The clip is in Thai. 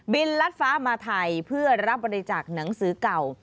ลัดฟ้ามาไทยเพื่อรับบริจาคหนังสือเก่า